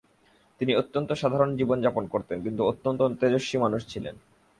তিনি অত্যন্ত সাধারণ জীবন যাপন করতেন কিন্তু অত্যন্ত তেজস্বী মানুষ ছিলেন।